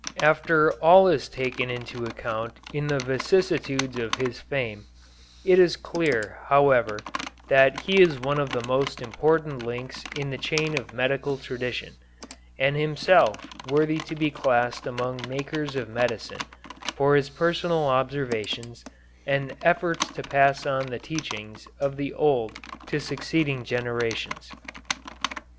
After all is taken into account in the vicissitudes of his fame, it is clear, however, that he is one of the most important links in the chain of medical tradition, and himself worthy to be classed among makers of medicine for his personal observations and efforts to pass on the teachings of the old to succeeding generations.